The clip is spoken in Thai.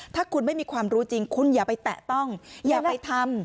ถ้าคุณไม่มีความรู้จริงคุณอย่าไปแตะต้องอย่าไปทำ